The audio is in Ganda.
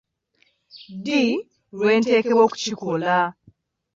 Ddi lwenteekwa okukikola ?